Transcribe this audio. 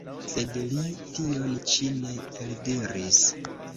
Sed li tion ĉi ne eldiris.